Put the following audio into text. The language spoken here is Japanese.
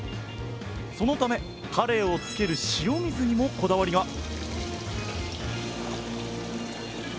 そのためカレイをつける塩水にもこだわりが！